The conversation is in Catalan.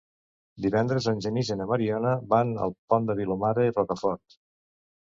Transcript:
Divendres en Genís i na Mariona van al Pont de Vilomara i Rocafort.